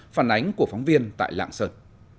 phản ánh của phóng viên tại lạng sơn